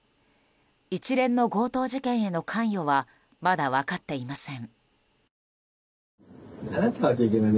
一連の強盗事件への関与はまだ分かっていません。